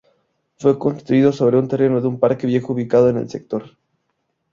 Fue construido sobre un terreno de un parque viejo ubicado en el sector.